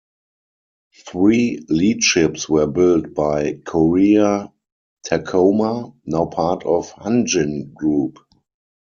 Three lead ships were built by Korea Tacoma, now part of Hanjin Group.